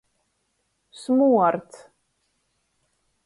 Smuords.